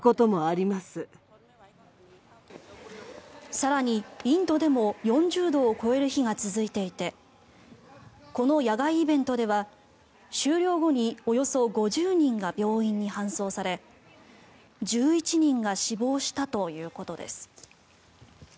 更に、インドでも４０度を超える日が続いていてこの野外イベントでは終了後におよそ５０人が病院に搬送され、１１人が死亡したということです。